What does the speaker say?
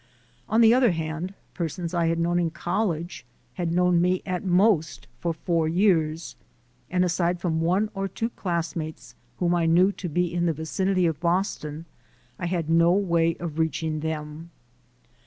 On the other hand, persons I had known in college had known me at most for four years, and aside from one or two classmates whom I knew to be in the vicinity of Boston, I had no way of reaching them.